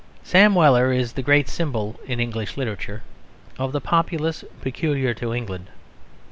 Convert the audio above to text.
Sam Weller is the great symbol in English literature of the populace peculiar to England.